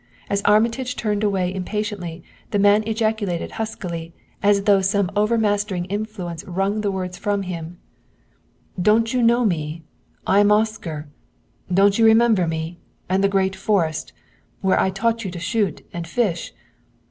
As Armitage turned away impatiently the man ejaculated huskily, as though some over mastering influence wrung the words from him: "Don't you know me? I am Oscar don't you remember me, and the great forest, where I taught you to shoot and fish?